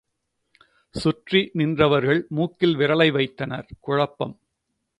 சுற்றி நின்றவர்கள் மூக்கில் விரலை வைத்தனர் குழப்பம்.